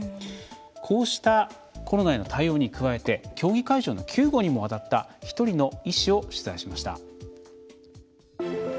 こうしたコロナへの対応に加えて競技会場の救護にもあたった１人の医師を取材しました。